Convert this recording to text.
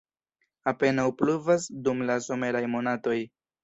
Apenaŭ pluvas dum la someraj monatoj.